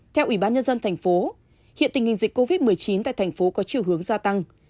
theo ủy ban nhân dân thành phố hiện tình hình dịch covid một mươi chín tại thành phố có chiều hướng gia tăng